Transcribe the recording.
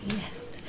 terima kasih pak